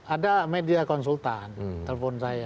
ada media konsultan telpon saya